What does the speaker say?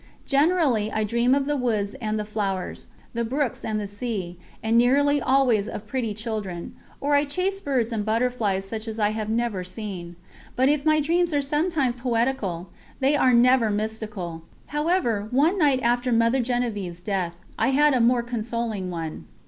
Generally I dream of the woods and the flowers, the brooks and the sea, and nearly always of pretty children; or I chase birds and butterflies such as I have never seen. But, if my dreams are sometimes poetical, they are never mystical. However, one night after Mother Genevieve's death, I had a more consoling one.